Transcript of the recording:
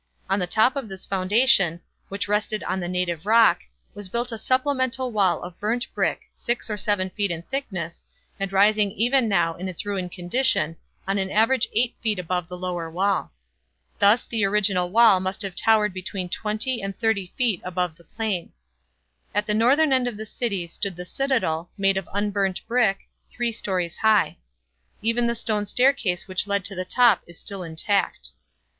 On the top of this foundation, which rested on the native rock, was built a supplemental wall of burnt brick six or seven feet in thickness and rising even now in its ruined condition on an average eight feet above the lower wall. Thus the original wall must have towered between twenty and thirty feet above the plain. At the northern end of the city stood the citadel, made of unburnt brick, three stories high. Even the stone staircase which led to the top is still intact.